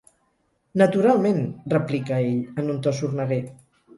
Naturalment! —replica ell en un to sorneguer—.